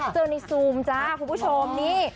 เจอในซูมจ้าคุณผู้ชมนี่